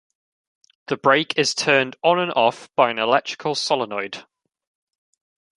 The brake is turned on and off by an electrical solenoid.